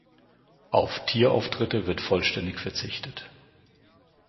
Auf Tier-Auftritte wird vollständig verzichtet.